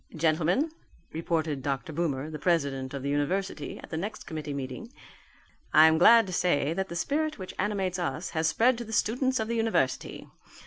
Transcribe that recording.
"Gentlemen," reported Dr. Boomer, the president of the university, at the next committee meeting, "I am glad to say that the spirit which animates us has spread to the students of the university.